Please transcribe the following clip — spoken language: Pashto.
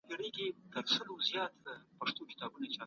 دولت په مالیاتو سره زېربناوي جوړوي.